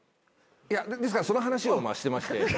いやですからその話をしてまして。